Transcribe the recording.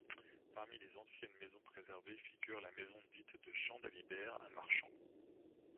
Parmi les anciennes maisons préservées figure la maison dite de Jean Dalibert, un marchand.